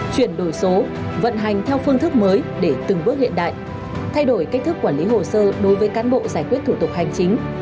chuyển đổi số vận hành theo phương thức mới để từng bước hiện đại thay đổi cách thức quản lý hồ sơ đối với cán bộ giải quyết thủ tục hành chính